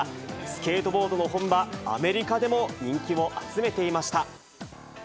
スケートボードの本場、アメリカでも人気を集めていました。